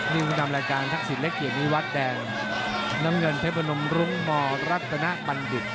นิวนำรายการทักษิตและเกียรติมีวัดแดงน้ำเงินเทพนมรุงมอรัฐนาปันดุก